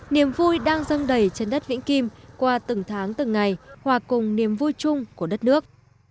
niềm vui đang dâng đầy trên đất vĩnh kim qua từng tháng từng ngày hòa cùng niềm vui chung của đất nước